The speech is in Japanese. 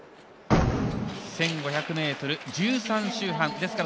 １５００ｍ、１３周半。